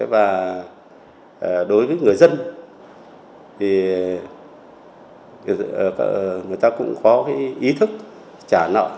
và đối với người dân thì người ta cũng có cái ý thức trả nợ